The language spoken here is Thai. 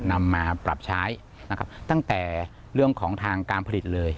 นำมาปรับใช้นะครับตั้งแต่เรื่องของทางการผลิตเลย